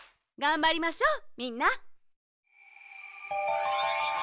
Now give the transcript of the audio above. がんばりましょうみんな。